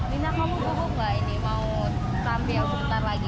nina kamu mau tampil sebentar lagi